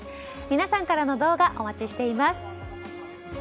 皆さんからの動画お待ちしています。